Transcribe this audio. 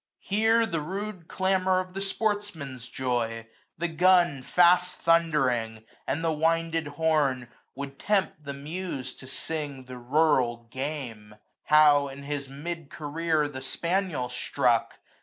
Here the rude clamour of the sportsman's joy, 360 The gun fast thundering, and the winded horn. Would tempt the Muse to sing the rural Game : How, in his mid career, the spaniel struck.